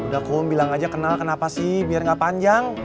udah kau bilang aja kenal kenapa sih biar gak panjang